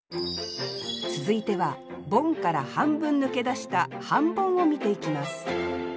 続いてはボンから半分抜け出した半ボンを見ていきます